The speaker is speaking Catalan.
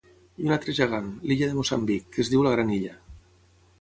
I un altre gegant, l'illa de Moçambic, que es diu la gran illa.